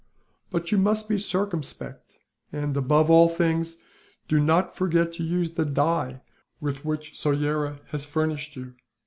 But you must be circumspect and, above all things, do not forget to use the dye with which Soyera has furnished you.